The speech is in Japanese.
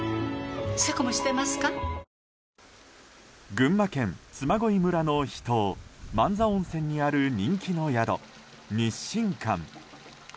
群馬県嬬恋村の秘湯万座温泉にある人気の宿、日進館。